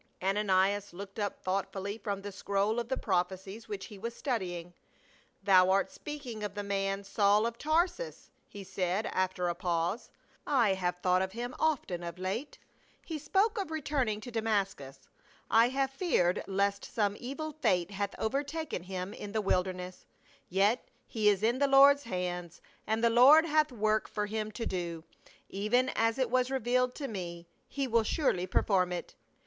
Ananias looked up thoughtfully from the scroll of the prophecies which he was studying. " Thou art speaking of the man, Saul of Tarsus," he said, after a pause. " I have thought of him often of late. He spoke of returning to Damascus ; I have feared lest some evil fate hath overtaken him in the wilderness, yet he is in the Lord's hands, and the Lord hath work for him to do — even as it was revealed to me. He will surely perform it."